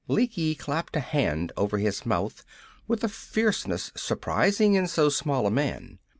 Lecky clapped a hand over his mouth with a fierceness surprising in so small a man.